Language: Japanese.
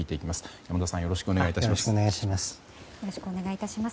山田さんよろしくお願いいたします。